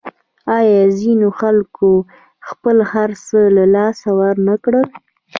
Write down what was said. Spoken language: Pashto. آیا ځینو خلکو خپل هرڅه له لاسه ورنکړل؟